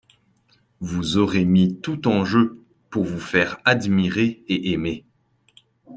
Vous aurez mis tout en jeu pour vous faire admirer et aimer !…